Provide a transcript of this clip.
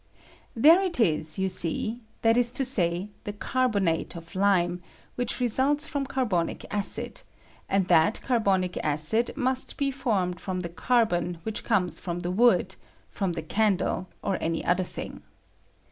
] There it is, you see — that is to say, the carbonate of lime, which results from carbonic acid, and that carbonic acid must be formed from the carbon which comes from the wood, from the candle, or any other thing.